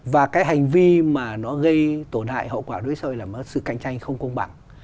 và cái hành vi mà nó gây tổn hại hậu quả đối với xã hội là sự cạnh tranh không công bằng